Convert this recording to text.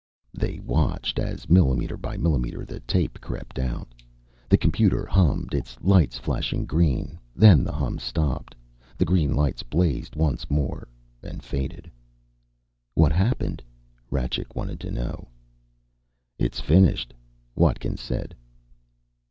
They watched as, millimeter by millimeter, the tape crept out. The computer hummed, its lights flashing green. Then the hum stopped. The green lights blazed once more and faded. "What happened?" Rajcik wanted to know. "It's finished," Watkins said.